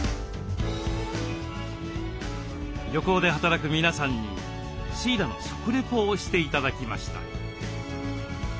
漁港で働く皆さんにシイラの食レポをして頂きました。